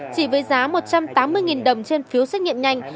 chỉ với giá một trăm tám mươi đồng trên phiếu xét nghiệm nhanh